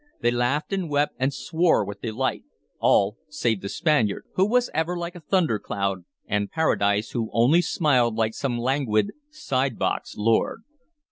They laughed and wept and swore with delight, all save the Spaniard, who was ever like a thundercloud, and Paradise, who only smiled like some languid, side box lord.